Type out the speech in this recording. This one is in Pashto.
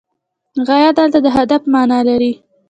غایه دلته د هدف معنی لري.